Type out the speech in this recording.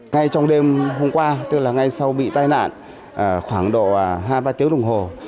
ngay trong đêm hôm qua tức là ngay sau bị tai nạn khoảng độ hai ba tiếng đồng hồ